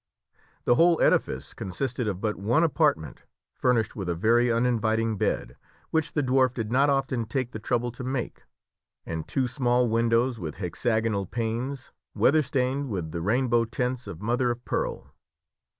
The whole edifice consisted of but one apartment, furnished with a very uninviting bed, which the dwarf did not often take the trouble to make, and two small windows with hexagonal panes, weather stained with the rainbow tints of mother of pearl.